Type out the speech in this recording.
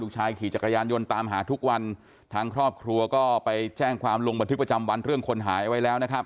ชายขี่จักรยานยนต์ตามหาทุกวันทางครอบครัวก็ไปแจ้งความลงบันทึกประจำวันเรื่องคนหายไว้แล้วนะครับ